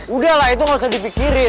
udah lah itu gak usah dipikirin